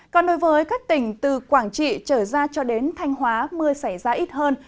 còn đối với các tỉnh từ quảng trị trở ra cho đến thanh hóa mưa xảy ra ít hơn